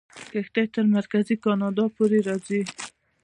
کښتۍ تر مرکزي کاناډا پورې راځي.